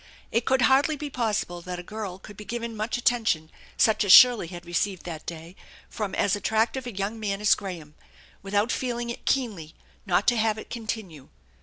It could hardly be possible that a girl could be given much attention such as Shirley had received that day, from as attractive a young man as Graham, without feeling it keenly not to have it con tinue.